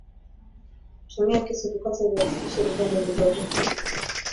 Tumia kisu kukata viazi lishe viapande vidogo